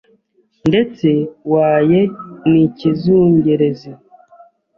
Ndetse waye n’ikizungerezi